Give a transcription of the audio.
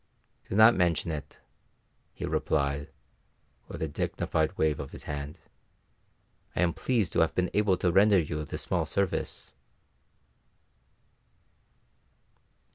"Do not mention it," he replied, with a dignified wave of his hand. "I am pleased to have been able to render you this small service."